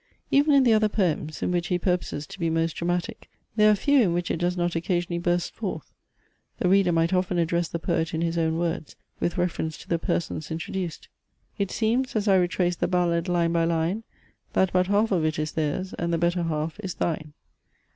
Even in the other poems, in which he purposes to be most dramatic, there are few in which it does not occasionally burst forth. The reader might often address the poet in his own words with reference to the persons introduced: "It seems, as I retrace the ballad line by line That but half of it is theirs, and the better half is thine."